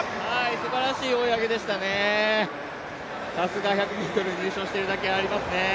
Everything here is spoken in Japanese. すばらしい追い上げでしたね、さすが１００ｍ入賞しているだけありますね。